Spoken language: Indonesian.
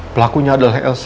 pelakunya adalah elsa